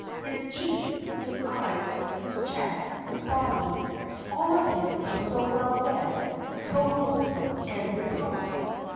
His cheeks, his eyes, his chest, his body, all of him was so well fed, so loathsome and repellent!